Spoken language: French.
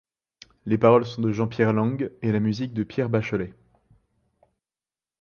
Les paroles sont de Jean-Pierre Lang et la musique de Pierre Bachelet.